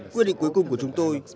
quyết định cuối cùng của chúng tôi